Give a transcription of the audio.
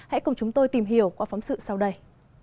hãy cùng chúng tôi tìm hiểu qua phóng sự sau đây